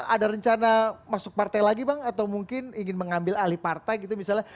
ada rencana masuk partai lagi bang atau mungkin ingin mengambil alih partai gitu misalnya